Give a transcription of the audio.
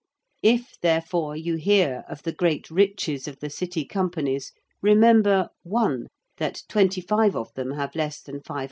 If, therefore, you hear of the great riches of the City Companies remember (1) that 25 of them have less than 500_l.